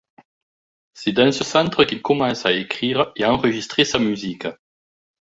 C’est dans ce centre qu’il commence à écrire et enregistrer sa musique.